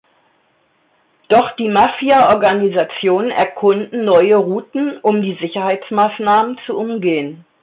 Doch die Mafiaorganisationen erkunden neue Routen, um die Sicherheitsmaßnahmen zu umgehen.